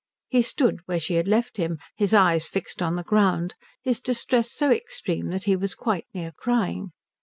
He stood where she had left him, his eyes fixed on the ground, his distress so extreme that he was quite near crying.